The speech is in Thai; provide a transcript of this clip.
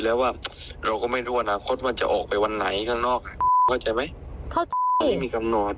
แต่ไม่ได้ไม่ได้ไม่ได้หมายความว่าเราจะไม่คุยกันตลอด